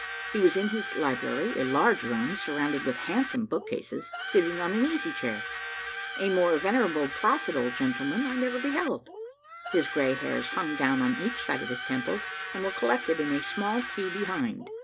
He was in his library, a large room, surrounded with handsome bookcases, sitting on an easy chair. A more venerable, placid old gentleman I never beheld; his grey hairs hung down on each side of his temples, and were collected in a small queue behind.